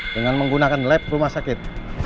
dengan menggunakan lab rumah sakit